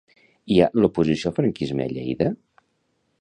I a "L'oposició al franquisme a Lleida"?